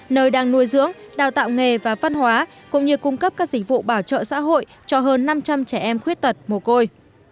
nơi đang nuôi dưỡng đào tạo nghề và văn hóa cũng như cung cấp các dịch vụ bảo trợ xã hội cho hơn năm trăm linh trẻ em khuyết tật mồ côi